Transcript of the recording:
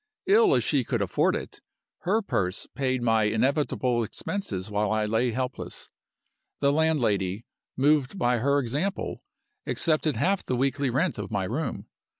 Ill as she could afford it, her purse paid my inevitable expenses while I lay helpless. The landlady, moved by her example, accepted half the weekly rent of my room.